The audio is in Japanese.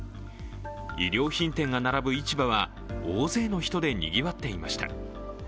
衣料品店が並ぶ市場は大勢の人でにぎわっていました。